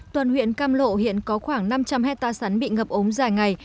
tuần huyện cam lộ hiện có khoảng năm trăm linh hecta sắn bị ngập úng dài ngày